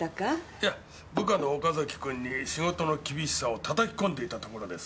いや部下の岡崎君に仕事の厳しさをたたき込んでいたところです。